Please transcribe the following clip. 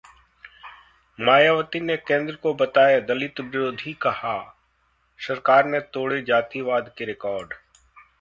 मायावती ने केंद्र को बताया दलित विरोधी, कहा- सरकार ने तोड़े जातिवाद के रिकॉर्ड